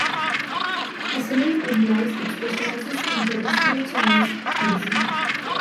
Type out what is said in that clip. As the name implies, it specializes in traditional Chinese medicine.